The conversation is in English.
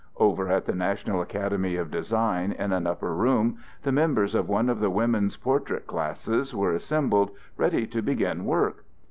Over at the National Academy of Design, in an upper room, the members of one of the women's portrait classes were assembled, ready to begin work.